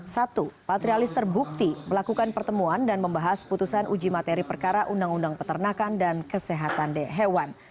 satu patrialis terbukti melakukan pertemuan dan membahas putusan uji materi perkara undang undang peternakan dan kesehatan hewan